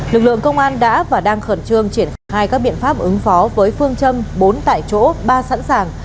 lực lượng công an đã và đang khẩn trương triển khai các biện pháp ứng phó với phương châm bốn tại chỗ ba sẵn sàng